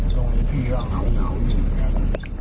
ตรงนี้พี่ก็เหล้าอยู่กัน